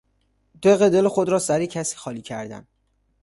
دق دل خود را سر کسی خالی کردن